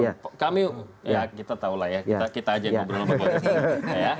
ya kita tahu lah ya kita aja yang gubernur